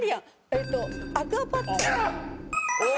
えーっとアクアパッツァ。